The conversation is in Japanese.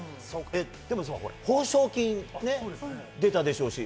報奨金出たでしょうし。